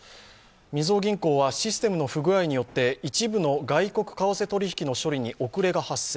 みずほ銀行はシステムの不具合によって一部の外国為替取引の処理に遅れが発生。